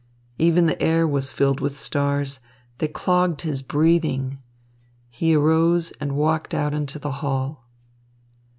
Even the air was filled with stars. They clogged his breathing. He arose and walked out into the hall.